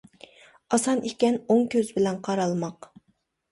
ئاسان ئىكەن ئوڭ كۆز بىلەن قارالماق.